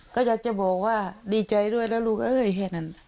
ก็อยากจะบอกว่าดีใจด้วยแล้วลูกเอ้ยแค่นั้น